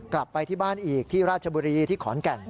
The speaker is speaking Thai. กลับไปที่บ้านอีกที่ราชบุรีที่ขอนแก่น